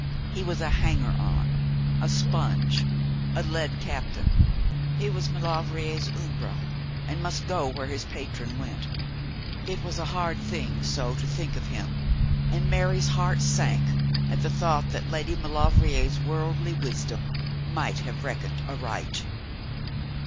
He was a hanger on, a sponge, a led captain. He was Maulevrier's Umbra, and must go where his patron went. It was a hard thing so to think of him, and Mary's heart sank at the thought that Lady Maulevrier's worldly wisdom might have reckoned aright.